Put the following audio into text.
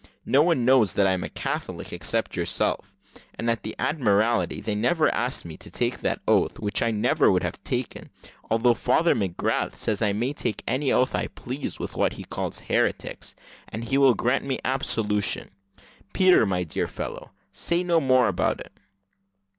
No one knows that I'm a Catholic except yourself: and at the Admiralty they never asked me to take that oath which I never would have taken, although Father McGrath says I may take any oath I please with what he calls heretics, and he will grant me absolution. Peter, my dear fellow, say no more about it."